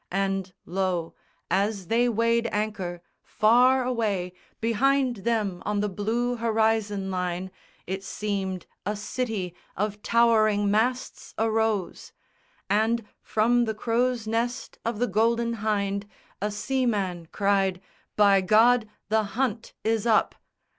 And lo, as they weighed anchor, far away Behind them on the blue horizon line It seemed a city of towering masts arose; And from the crow's nest of the Golden Hynde A seaman cried, "By God; the hunt is up!"